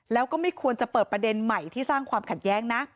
แล้วก็ไม่ควรจะเปิดประเด็นใหม่ที่สร้างความขัดแย้งนะ